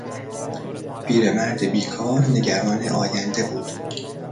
پیرمرد بیکار نگران آینده بود.